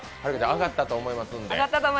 上がったと思います。